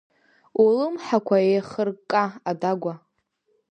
Улымҳақәа еихыркка, адагәа!